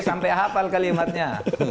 sampai hafal kelimatnya